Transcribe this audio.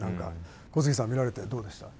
小杉さん、見られて、どうでした？